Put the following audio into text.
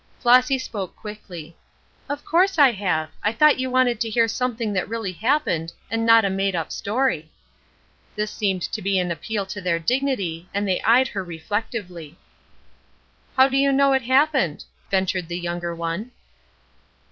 Flossy spoke quickly: "Of course I have. I thought you wanted to hear something that really happened, and not a made up story." This seemed to be an appeal to their dignity, and they eyed her reflectively. "How do you know it happened?" ventured the younger one.